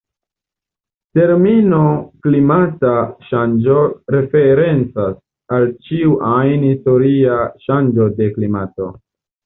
Termino klimata ŝanĝo referencas al ĉiu ajn historia ŝanĝo de klimato.